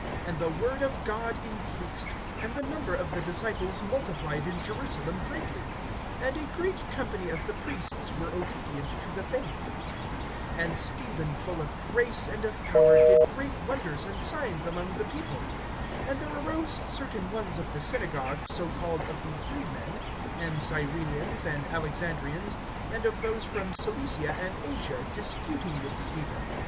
(7)And the word of God increased; and the number of the disciples multiplied in Jerusalem greatly; and a great company of the priests were obedient to the faith. (8)And Stephen, full of grace and of power, did great wonders and signs among the people. (9)And there arose certain ones of the synagogue so called of the Freedmen[6:9], and Cyrenians, and Alexandrians, and of those from Cilicia and Asia, disputing with Stephen.